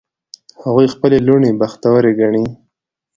هغوی خپلې لوڼې بختوری ګڼي